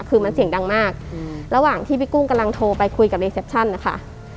คือมันเสียงดังมากระหว่างที่พี่กุ้งกำลังโทรไปคุยกับรีเซปชั่นนะคะ